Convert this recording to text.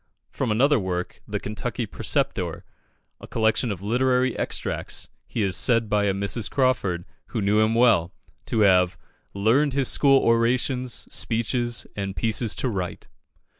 From another work, "The Kentucky Preceptor," a collection of literary extracts, he is said by a Mrs. Crawford, who knew him well, to have "learned his school orations, speeches, and pieces to write."